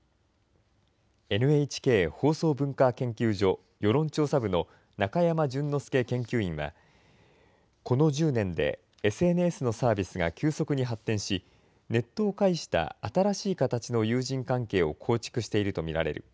ＮＨＫ放送文化研究所世論調査部の中山準之助研究員は、この１０年でＳＮＳのサービスが急速に発展し、ネットを介した新しい形の友人関係を構築していると見られる。